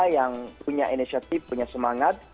yang punya inisiatif punya semangat